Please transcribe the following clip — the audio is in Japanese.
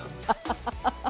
ハハハハハ！